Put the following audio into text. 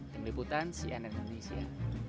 dari meliputan cnn indonesia